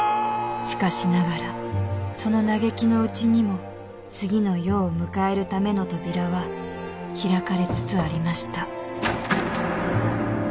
しかしながらその嘆きのうちにも次の世を迎えるための扉は開かれつつありました